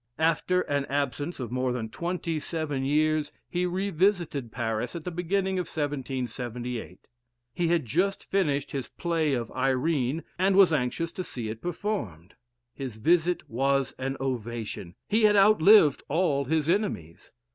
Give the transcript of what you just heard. After an absence of more than twenty seven years, he re visited Paris in the beginning of 1778. He had just finished his play of "Irene," and was anxious to see it performed. His visit was an ovation. He had outlived all his enemies.